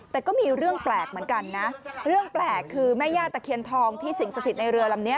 แต่ก็มีเรื่องแปลกเหมือนกันนะเรื่องแปลกคือแม่ย่าตะเคียนทองที่สิ่งสถิตในเรือลำนี้